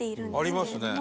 ありますね。